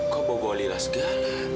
kok bobole lah segala